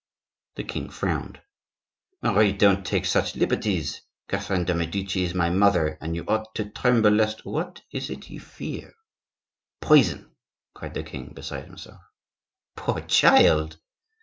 The king frowned. "Marie, don't take such liberties. Catherine de' Medici is my mother, and you ought to tremble lest—" "What is it you fear?" "Poison!" cried the king, beside himself. "Poor child!"